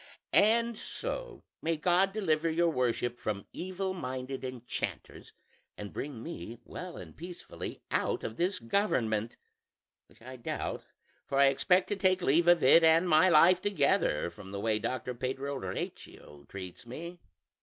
And so, may God deliver your worship from evil minded enchanters, and bring me well and peacefully out of this government; which I doubt, for I expect to take leave of it and my life together, from the way Doctor Pedro Recio treats me.